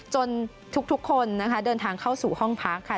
ทุกคนนะคะเดินทางเข้าสู่ห้องพักค่ะ